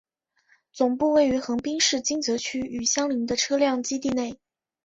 总部位于横滨市金泽区与相邻的车辆基地内。